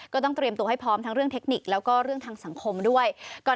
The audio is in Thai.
ก็ต้องเตรียมตัวให้พร้อมทั้งเรื่องเทคนิคแล้วก็เรื่องทางสังคมด้วย